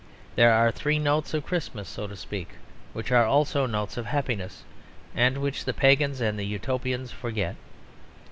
There are three notes of Christmas, so to speak, which are also notes of happiness, and which the pagans and the Utopians forget.